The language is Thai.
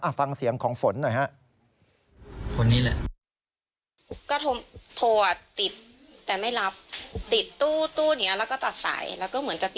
ฟังเสียงของฝนหน่อยฮะ